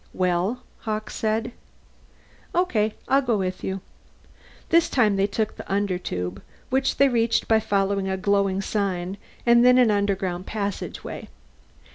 "Well?" Hawkes said. "Okay. I'll go with you." This time they took the Undertube, which they reached by following a glowing sign and then an underground passageway.